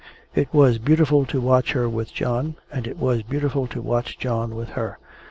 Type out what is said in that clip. It was beautiful to watch her with John, and it was beautiful to watch John with her.